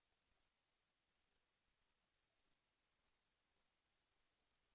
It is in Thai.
แสวได้ไงของเราก็เชียนนักอยู่ค่ะเป็นผู้ร่วมงานที่ดีมาก